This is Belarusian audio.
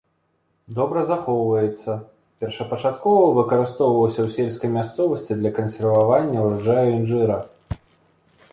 Добра захоўваецца, першапачаткова выкарыстоўваўся ў сельскай мясцовасці для кансервавання ўраджаю інжыра.